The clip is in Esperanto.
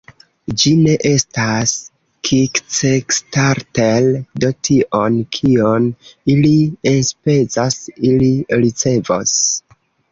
Ĝi ne estas Kickstarter do tion, kion ili enspezas, ili ricevos